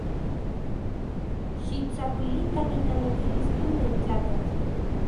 Xiktsakuilikan itanekilis nin nentlakatl.